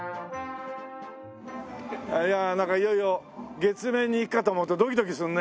いやあなんかいよいよ月面に行くかと思うとドキドキするね。